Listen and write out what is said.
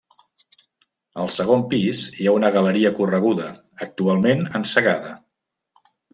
Al segon pis, hi ha una galeria correguda, actualment encegada.